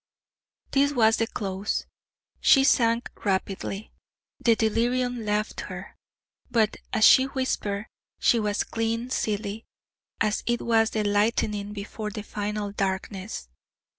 This was the close. She sank rapidly: the delirium left her; but, as she whispered, she was "clean silly"; it was the lightening before the final darkness.